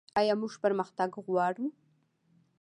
آیا موږ پرمختګ غواړو؟